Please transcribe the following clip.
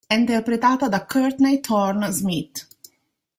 È interpretata da Courtney Thorne-Smith.